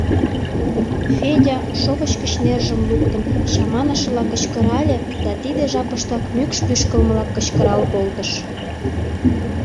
— Федя, шовыч гыч нержым луктын, чаманышыла кычкырале да тиде жапыштак мӱкш пӱшкылмылак кычкырал колтыш.